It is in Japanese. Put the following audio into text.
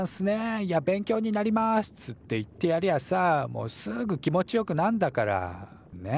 いや勉強になります」っつって言ってやりゃあさあもうすぐ気持ちよくなんだから。ね？